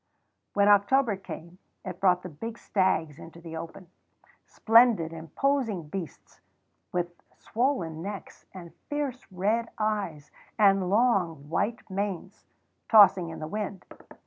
When October came it brought the big stags into the open, splendid, imposing beasts, with swollen necks and fierce red eyes and long white manes tossing in the wind.